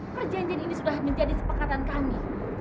perjanjian ini sudah menjadi sepakatan kami